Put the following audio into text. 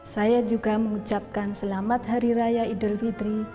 saya juga mengucapkan selamat hari raya idul fitri